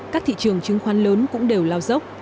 các thị trường chứng khoán lớn cũng đều lao dốc